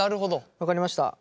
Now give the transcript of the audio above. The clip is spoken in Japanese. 分かりました。